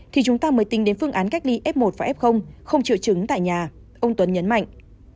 thì chúng ta mới tính đến phương án cách ly f một và f không triệu chứng tại nhà ông tuấn nhấn mạnh